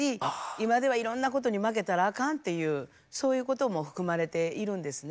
今ではいろんなことに負けたらあかんっていうそういうことも含まれているんですね。